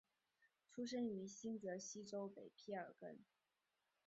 出生于新泽西州北卑尔根。